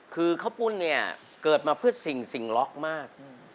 คือเขาปุ้นเกิดมาเพื่อสิ่งล็อคมาก